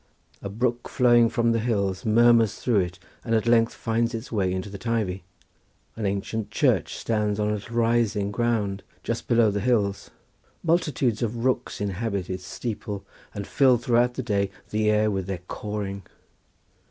A brook flowing from the hills murmurs through it and at length finds its way into the Teivi—an ancient church stands on a little rising ground just below the hills, multitudes of rooks inhabit its steeple and fill throughout the day the air with their cawing.